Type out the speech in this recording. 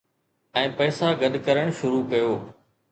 ۽ پئسا گڏ ڪرڻ شروع ڪيو